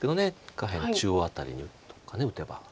下辺中央辺りにどっか打てば。